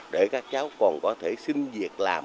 để các cháu còn có thể xin việc làm